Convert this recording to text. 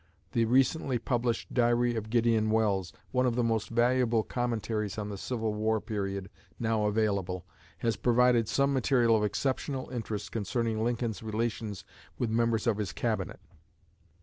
The recently published Diary of Gideon Welles, one of the most valuable commentaries on the Civil War period now available, has provided some material of exceptional interest concerning Lincoln's relations with the members of his Cabinet.